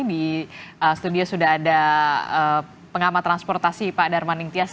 di studio sudah ada pengamat transportasi pak darmaning tias